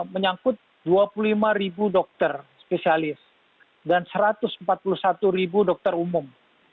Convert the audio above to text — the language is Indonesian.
menyangkut dua puluh lima ribu dokter spesialis dan satu ratus empat puluh satu ribu dokter umum